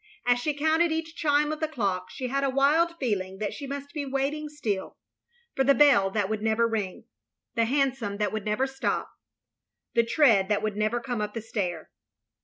As she counted each chime of the clock, she had a wild feeling that she must be waiting still — ^for the bell that would never ring — the hansom that would never stop — the tread that would never come up the stair.